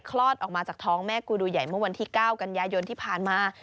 คลอดออกมาจากท้องแม่กูดูใหญ่เมื่อวันที่๙กันยายนที่ผ่านมา